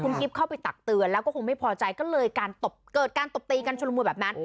กิ๊บเข้าไปตักเตือนแล้วก็คงไม่พอใจก็เลยเกิดการตบตีกันชุดละมุนแบบนั้น